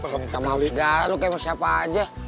gak mau segala lo kayak mau siapa aja